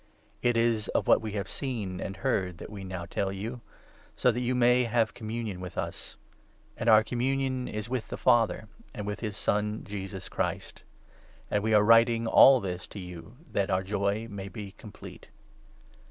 It is of what we have seen and 3 heard that we now tell you, so that you may have communion with us. And our communion is with the Father and with his Son, Jesus Christ. And we are writing all this to you that 4 our joy may be complete.